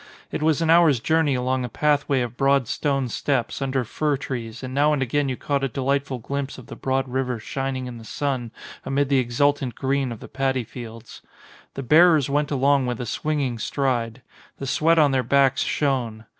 It was an hour's journey along a pathway of broad stone steps, under fir trees, and now and again you caught a delightful glimpse of the broad river shining in the sun amid the exultant green of the padi fields. The bearers went along with a swinging stride. The sweat on their backs shone.